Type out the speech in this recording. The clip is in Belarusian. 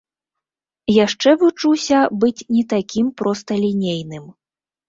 Яшчэ вучуся быць не такім просталінейным.